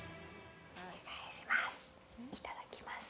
いただきます。